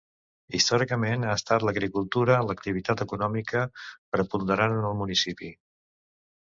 Històricament ha estat l'agricultura l'activitat econòmica preponderant en el municipi.